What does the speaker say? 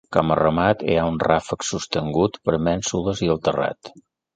Com a remat hi ha un ràfec sostingut per mènsules i el terrat.